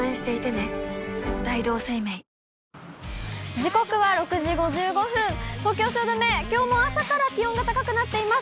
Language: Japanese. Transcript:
時刻は６時５５分、東京・汐留、きょうも朝から気温が高くなっています。